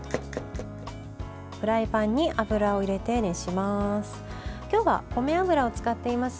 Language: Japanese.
フライパンに油を入れて熱します。